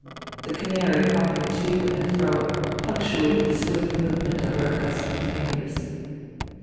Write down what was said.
The canary hopping to and fro punctuated the swift movement of her accustomed fingers.